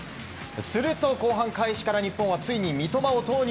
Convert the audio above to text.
すると後半開始から日本はついに三笘を投入。